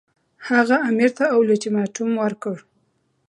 هغه امیر ته اولټیماټوم ورکړ.